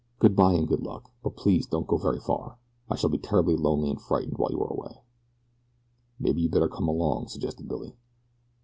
"Good bye and good luck; but please don't go very far I shall be terribly lonely and frightened while you are away." "Maybe you'd better come along," suggested Billy.